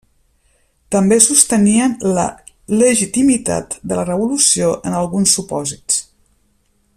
També sostenien la legitimitat de la revolució en alguns supòsits.